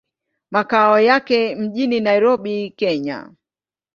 Makao yake mjini Nairobi, Kenya.